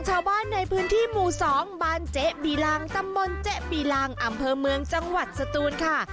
เจ๊บีรางตำบลเจ๊บีรางอำเภอเมืองจังหวัดสตูนค่ะ